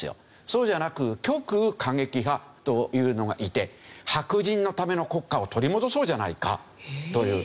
そうじゃなく極右過激派というのがいて白人のための国家を取り戻そうじゃないかという。